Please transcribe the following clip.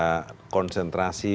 konsentrasi dan konsentrasi